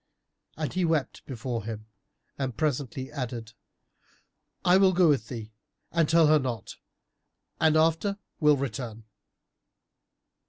And he wept before him and presently added, "I will go with thee and tell her not and after will return."